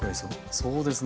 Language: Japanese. そうですね。